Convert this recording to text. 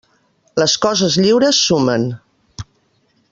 Les coses lliures sumen.